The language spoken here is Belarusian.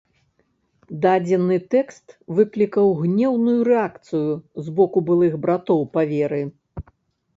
Дадзены тэкст выклікаў гнеўную рэакцыю з боку былых братоў па веры.